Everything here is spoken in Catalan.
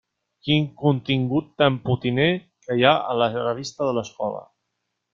Quin contingut tan potiner que hi ha a la revista de l'escola!